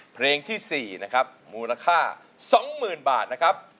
เพลงที่๔มูลค่า๒๐๐๐๐บาทนะครับ